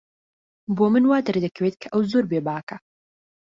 بۆ من وا دەردەکەوێت کە ئەو زۆر بێباکە.